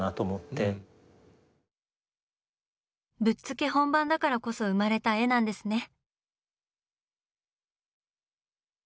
ぶっつけ本番だからこそ生まれた絵なんですね。